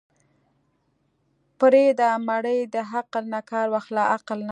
پرېده مړې د عقل نه کار واخله عقل نه.